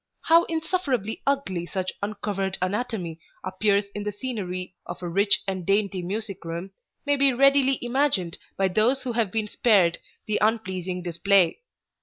How insufferably ugly such uncovered anatomy appears in the scenery of a rich and dainty music room may be readily imagined by those who have been spared the unpleasing display.